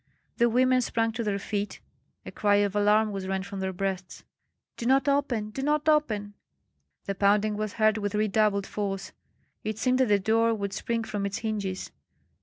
The women sprang to their feet; a cry of alarm was rent from their breasts. "Do not open! do not open!" The pounding was heard with redoubled force; it seemed that the door would spring from its hinges.